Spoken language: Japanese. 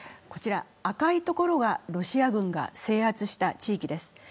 こちら、赤い所がロシア軍が制圧した地域です。